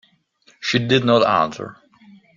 She did not answer.